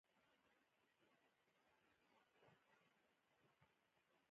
په منځني ختیځ کې د بېوزلۍ او اسلام ترمنځ اړیکه حقیقت نه لري.